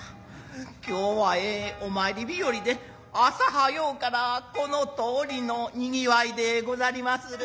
きょうはええお詣り日和で朝早うからこの通りの賑わいでござりまする。